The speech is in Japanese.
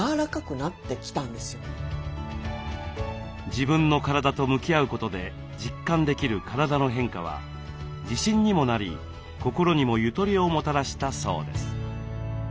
自分の体と向き合うことで実感できる体の変化は自信にもなり心にもゆとりをもたらしたそうです。